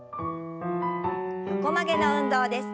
横曲げの運動です。